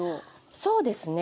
そうですね。